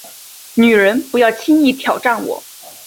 女人，不要轻易挑战我